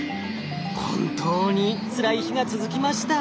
本当につらい日が続きました。